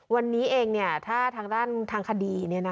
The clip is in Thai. วันนี้เองถ้าทางด้านทางคดี